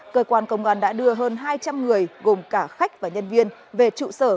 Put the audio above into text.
cơ quan công an đã đưa hơn hai trăm linh người gồm cả khách và nhân viên về trụ sở